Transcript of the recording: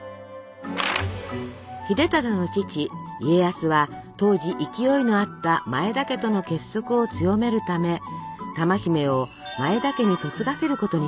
秀忠の父家康は当時勢いのあった前田家との結束を強めるため珠姫を前田家に嫁がせることにしたのです。